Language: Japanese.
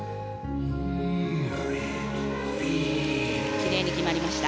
きれいに決まりました。